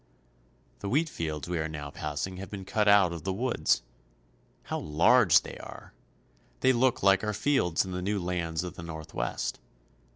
The wheat fields we are now passing have been cut out of the woods. How large they are! They look like our fields in the new lands of the Northwest.